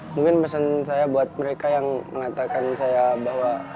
mungkin pesan saya buat mereka yang mengatakan saya bahwa